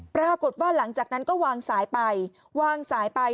ปรากฏว่าหลังจากนั้นก็วางสายไปวางสายไป